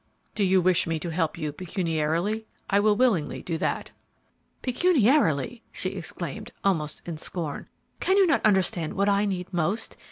"Do you wish me to help you pecuniarily? I will willingly do that." "Pecuniarily!" she exclaimed, almost in scorn. "Cannot you understand what I need most?